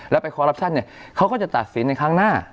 แล้วไปคอรัปชั่นเนี่ยเขาก็จะตัดสินในครั้งหน้า